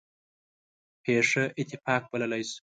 پېښه اتفاق بللی شو.